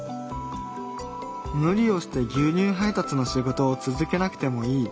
無理をして牛乳配達の仕事を続けなくてもいい。